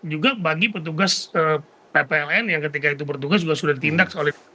juga bagi petugas ppln yang ketika itu bertugas juga sudah ditindak